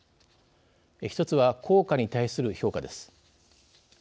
１つは効果に対する評価です。